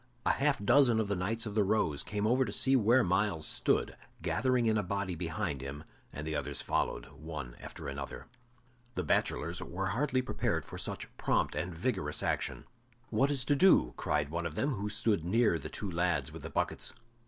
A half dozen of the Knights of the Rose came over to where Myles stood, gathering in a body behind him and the others followed, one after another. The bachelors were hardly prepared for such prompt and vigorous action. "What is to do?" cried one of them, who stood near the two lads with the buckets.